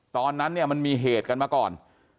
ตอนนั้นเนี่ยมันมีเหตุกันมาก่อน